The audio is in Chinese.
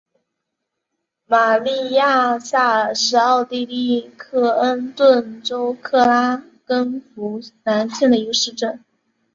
玛丽亚萨尔是奥地利克恩顿州克拉根福兰县的一个市镇。